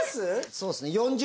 そうですね４０